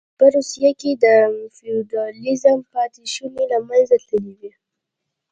په روسیه کې د فیوډالېزم پاتې شوني له منځه تللې وې